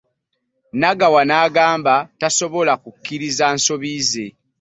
Nagawa nabagamba tasobola kukkiriza nsobi ze.